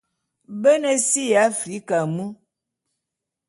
Be ne si ya Africa mu.